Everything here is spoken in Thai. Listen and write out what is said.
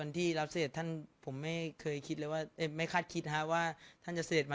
อันที่รับเหรอแต่ท่านผมไม่เคยคิดเลยว่าจะไม่คาดคิดฮะว่า